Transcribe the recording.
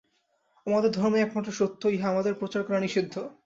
আমাদের ধর্মই একমাত্র সত্য, ইহা আমাদের প্রচার করা নিষিদ্ধ।